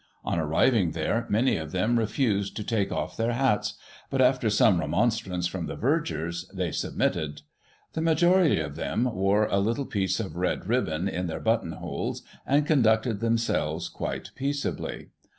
On arriving there, many of them refused to take off their hats; but, after some remonstrance from the Vergers, they submitted The majority of them wore a little piece of red ribbon in their button holes, and conducted themselves quite peaceably.